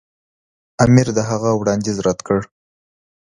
امیر د هغه وړاندیز رد کړ.